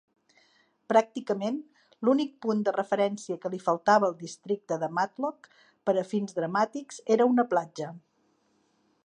Pràcticament l'únic punt de referència que li faltava al districte de Matlock per a fins dramàtics era una platja.